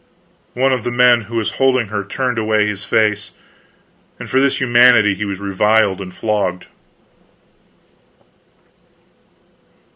One of the men who was holding her turned away his face, and for this humanity he was reviled and flogged.